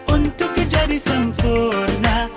untuk kejadi sempurna